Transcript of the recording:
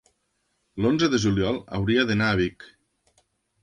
l'onze de juliol hauria d'anar a Vic.